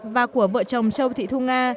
và của vợ chồng châu thị thu nga